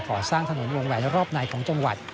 ก่อสร้างถนนวงแหวนรอบในของจังหวัด